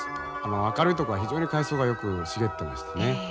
明るいとこは非常に海草がよく茂ってましてね。